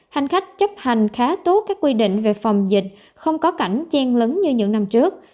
hành khách chấp hành khá tốt các quy định về phòng dịch không có cảnh chen lấn như những năm trước